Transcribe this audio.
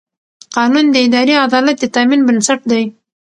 قانون د اداري عدالت د تامین بنسټ دی.